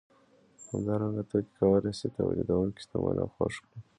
همدارنګه توکي کولای شي تولیدونکی شتمن او خوښ کړي